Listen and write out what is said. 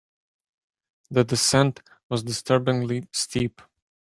The descent was disturbingly steep.